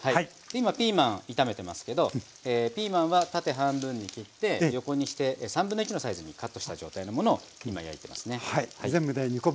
今ピーマン炒めてますけどピーマンは縦半分に切って横にして1/3のサイズにカットした状態のものを今焼いてますね。